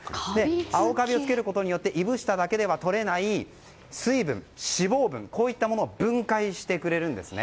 青カビをつけることによっていぶしただけではとれない水分、脂肪分などを分解してくれるんですね。